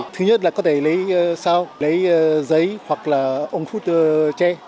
thứ nhất là có thể lấy sao lấy giấy hoặc là ống phút che